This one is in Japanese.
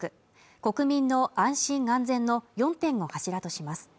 国民の安心・安全の４点を柱とします